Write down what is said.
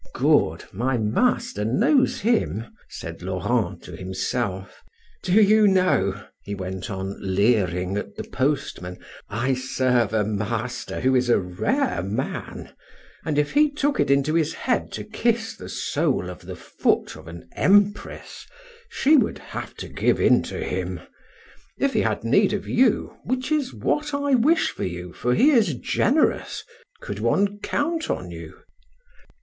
"Good! my master knows him," said Laurent, to himself. "Do you know," he went on, leering at the postman, "I serve a master who is a rare man, and if he took it into his head to kiss the sole of the foot of an empress, she would have to give in to him. If he had need of you, which is what I wish for you, for he is generous, could one count on you?"